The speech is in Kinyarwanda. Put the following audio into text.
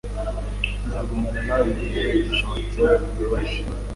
Nzagumana nawe mubihe byishimo ndetse nibihe bibabaje